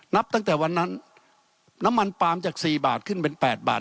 นับตั้งแต่วันนั้นน้ำมันปาล์มจาก๔บาทขึ้นเป็น๘บาท